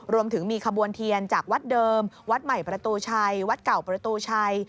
รวมถึงมีขบวนเทียนจากวัดเดิมวัดใหม่ประตูชัยวัดเก่าประตูชัย